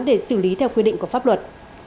để xử lý theo quy định của pháp luật